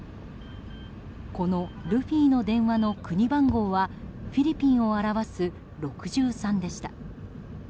このルフィの電話の国番号はフィリピンを表す６３でした。